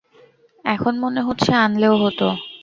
এখন মনে হচ্ছে আনলেও হত!